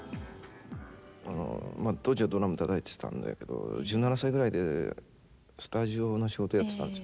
当時はドラムたたいてたんだけど１７歳ぐらいでスタジオの仕事やってたんですよ。